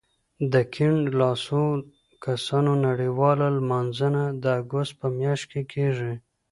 د کیڼ لاسو کسانو نړیواله لمانځنه د اګست په میاشت کې کېږي.